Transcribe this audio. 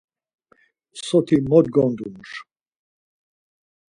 Soti mo gondunur!